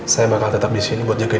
saya bakal tetap disini buat jagain elsa